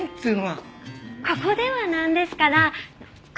ここではなんですからこちらへ。